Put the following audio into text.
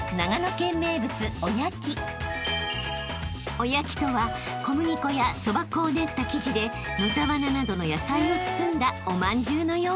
［おやきとは小麦粉やそば粉を練った生地で野沢菜などの野菜を包んだおまんじゅうのようなもの］